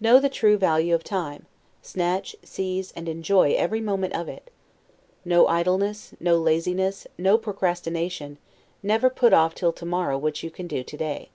Know the true value of time; snatch, seize, and enjoy every moment of it. No idleness, no laziness, no procrastination; never put off till to morrow what you can do today.